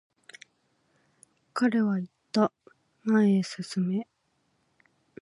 彼は言った、前へ進め。